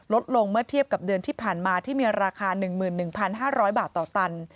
ลดลงเมื่อเทียบกับเดือนที่ผ่านมาที่มีราคา๑๑๕๐๐บาทต่อตัน